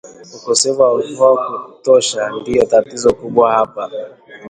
Ukosefu wa mvua ya kutosha ndio tatizo kubwa hapa